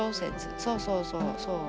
そうそうそうそう。